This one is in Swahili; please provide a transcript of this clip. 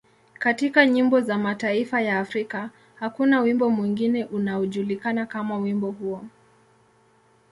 Katika nyimbo za mataifa ya Afrika, hakuna wimbo mwingine unaojulikana kama wimbo huo.